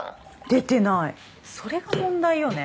出てないそれが問題よね